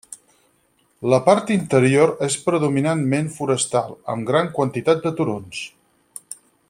La part interior és predominantment forestal, amb gran quantitat de turons.